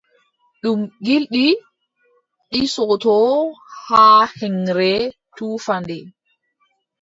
Ɗum gilɗi ɗisotoo haa heŋre, tufa nde.